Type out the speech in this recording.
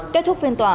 kết thúc phiên tòa